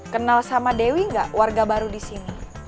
kenal sama dewi gak warga baru disini